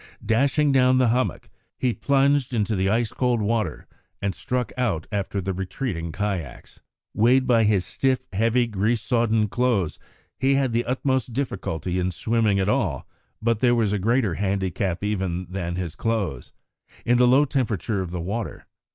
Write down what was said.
Dashing down the hummock, he plunged into the ice cold water and struck out after the retreating kayaks. Weighted by his stiff, heavy, grease sodden clothes, he had the utmost difficulty in swimming at all; but there was a greater handicap even than his clothes in the low temperature of the water.